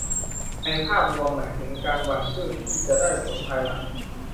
ในภาพรวมหมายถึงการหว่านพืชที่จะได้ผลภายหลัง